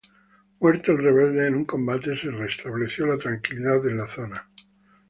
Muerto el rebelde en un combate se restableció la tranquilidad en la zona.